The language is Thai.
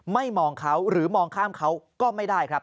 มองเขาหรือมองข้ามเขาก็ไม่ได้ครับ